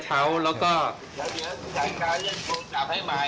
โอเคครับ